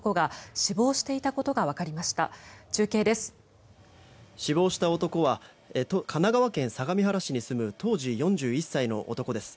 死亡した男は神奈川県相模原市に住む当時４１歳の男です。